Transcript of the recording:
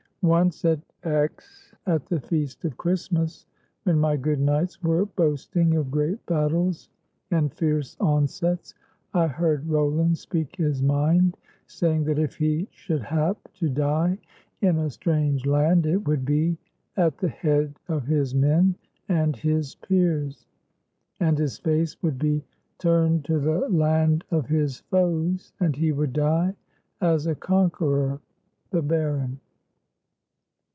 Once at Aix, at the feast of Christmas, when my good knights were boasting of great battles and fierce onsets, I heard Roland speak his mind, saying, that if he should hap to die in a strange land, it would be at the head of his men and his peers, and his face would be turned to the land 158 LAMENT OF CHARLEMAGNE FOR ROLAND of his foes, and he would die as a conqueror, the baron."